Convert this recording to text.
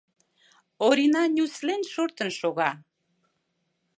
Орина нюслен шортын шога.